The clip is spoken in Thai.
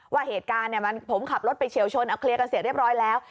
ว่าเหตุการณ์ผมขับรถไปเฉียวชนเอาเคลียร์กันเสร็จเรียบร้อยแล้ว